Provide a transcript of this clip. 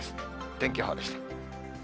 天気予報でした。